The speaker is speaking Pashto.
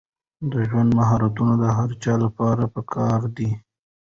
د ژوند مهارتونه د هر چا لپاره پکار دي.